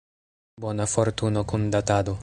Bona fortuno kun Datado.